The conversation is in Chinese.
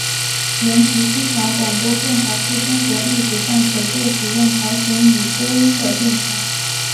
延吉新华广播电台是中国历史上首个使用朝鲜语播音的电台。